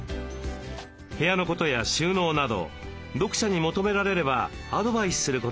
部屋のことや収納など読者に求められればアドバイスすることもあります。